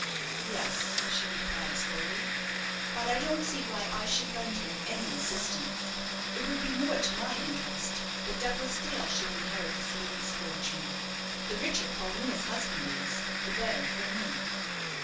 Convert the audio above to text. "Yes," she replied, slowly, "but I don't see why I should lend him any assistance. It would be more to my interest that Douglas Dale should inherit this lady's fortune; the richer Paulina's husband is, the better for me."